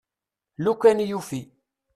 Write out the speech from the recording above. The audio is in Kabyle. Lukan yufi.